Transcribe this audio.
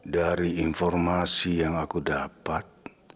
dari informasi yang aku dapat